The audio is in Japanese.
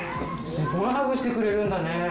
すごいハグしてくれるんだね。